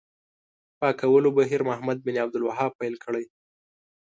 پاکولو بهیر محمد بن عبدالوهاب پیل کړی.